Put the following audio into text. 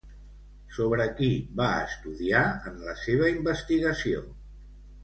Sobre qui va estudiar en la seva investigació?